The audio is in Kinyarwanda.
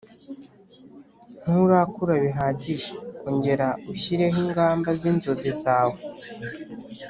nturakura bihagije ongera ushyireho ingamba z ‘inzozi zawe